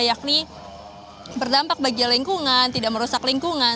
yakni berdampak bagi lingkungan tidak merusak lingkungan